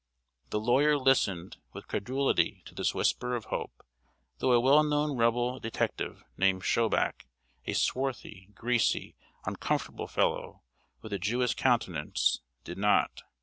The lawyer listened with credulity to this whisper of hope, though a well known Rebel detective, named Shoubac a swarthy, greasy, uncomfortable fellow, with a Jewish countenance did not.